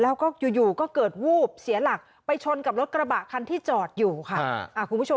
แล้วก็อยู่ก็เกิดวูบเสียหลักไปชนกับรถกระบะคันที่จอดอยู่ค่ะคุณผู้ชม